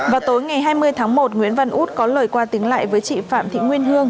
vào tối ngày hai mươi tháng một nguyễn văn út có lời qua tiếng lại với chị phạm thị nguyên hương